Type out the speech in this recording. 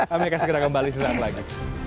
kami akan segera kembali sesaat lagi